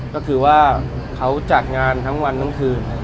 ก็คือว่าเขาจัดงานทั้งวันทั้งคืน